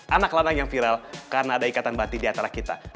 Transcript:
anak lanang yang viral karena ada ikatan batu di atas kita